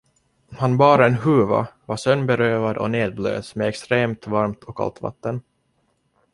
Han bar en huva, var sömnberövad och nedblöt med extremt varmt och kallt vatten.